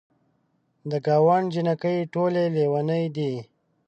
د ګاونډ جینکۍ ټولې لیونۍ دي.